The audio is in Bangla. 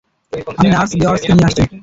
আমি নার্স বেওয়্যার্সকে নিয়ে আসছি!